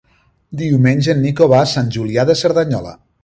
Diumenge en Nico va a Sant Julià de Cerdanyola.